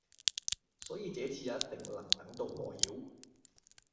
所以這次也一定能等到破曉